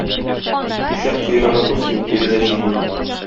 Ишәк койрыгы үсми, кире дә чүкми.